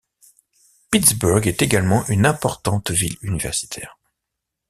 Pittsburgh est également une importante ville universitaire.